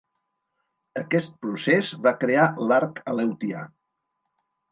Aquest procés va crear l'arc aleutià.